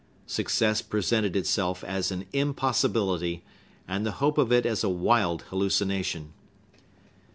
Success presented itself as an impossibility, and the hope of it as a wild hallucination.